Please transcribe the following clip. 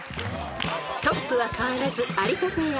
［トップは変わらず有田ペア］